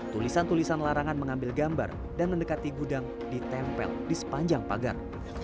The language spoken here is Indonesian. tulisan tulisan larangan mengambil gambar dan mendekati gudang ditempel di sepanjang pagar